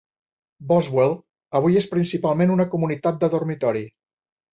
Boswell avui és principalment una comunitat de dormitori.